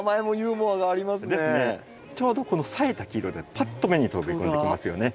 ちょうどこの咲いた黄色がパッと目に飛び込んできますよね。